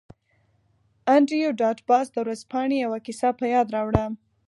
انډریو ډاټ باس د ورځپاڼې یوه کیسه په یاد راوړه